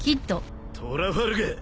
トラファルガー。